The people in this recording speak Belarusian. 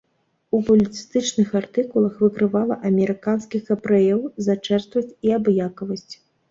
У публіцыстычных артыкулах выкрывала амерыканскіх габрэяў за чэрствасць і абыякавасць.